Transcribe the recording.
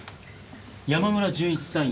山村淳一さん